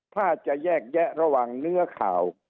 ถ้าจะแยกแยะระหว่างเนื้อข่าว